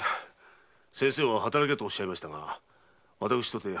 先生は働けとおっしゃいましたが私とて旗本の三男坊。